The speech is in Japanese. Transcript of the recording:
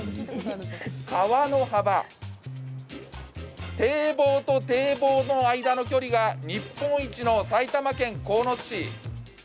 川の幅、堤防と堤防の間の距離が日本一の埼玉県鴻巣市。